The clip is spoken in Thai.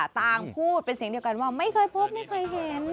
ต่างพูดเป็นเสียงเดียวกันว่าไม่เคยพบไม่เคยเห็น